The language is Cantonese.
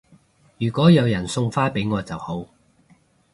如果有人送花俾我就好